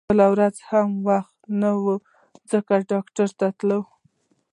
بله ورځ هم وخت نه و ځکه ډاکټر ته تلل